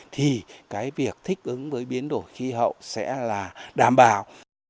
thì cái việc thích ứng với biến đổi khí hậu sẽ là đảm bảo